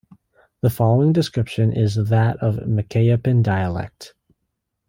The following description is that of Mecayapan dialect.